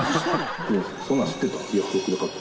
そんなの知ってた？